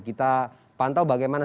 kita pantau bagaimana